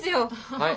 はい。